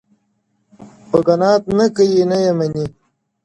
خو قناعت نه کوي نه یې مني